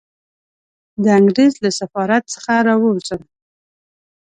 د انګریز له سفارت څخه را ووځم.